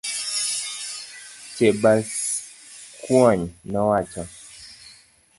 Chebaskwony nowacho.